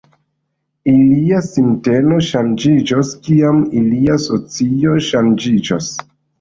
Ilia sinteno ŝanĝiĝos, kiam ilia socio ŝanĝiĝos.